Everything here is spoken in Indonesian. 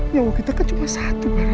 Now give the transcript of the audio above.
nyawa kita kan cuma satu